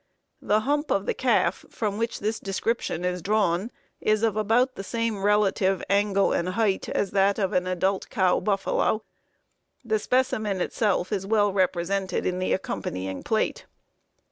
The hump of the calf from which this description is drawn is of about the same relative angle and height as that of an adult cow buffalo. The specimen itself is well represented in the accompanying plate.